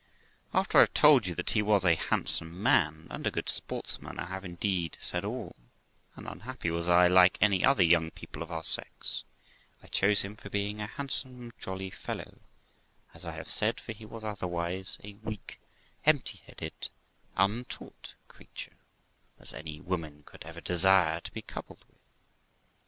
After 1 have told you that he was a handsome man and a good sports man, I have indeed said all ; and unhappy was I, like other young people of our sex, I chose him for being a handsome, jolly fellow, as I have said; for he was otherwise a weak, empty headed, untaught creature, as any woman could ever desire to be coupled with.